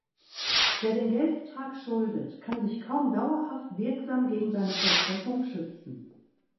Wer den Geldbetrag schuldet, kann sich kaum dauerhaft wirksam gegen seine Vollstreckung schützen.